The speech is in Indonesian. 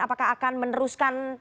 apakah akan meneruskan